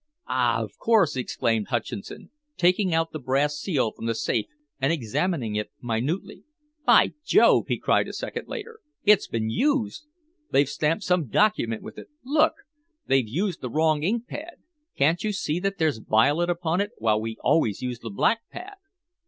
"Ah! of course," exclaimed Hutcheson, taking out the brass seal from the safe and examining it minutely. "By Jove!" he cried a second later, "it's been used! They've stamped some document with it. Look! They've used the wrong ink pad! Can't you see that there's violet upon it, while we always use the black pad!"